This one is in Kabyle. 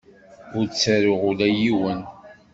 Ur ttaruɣ ula i yiwen.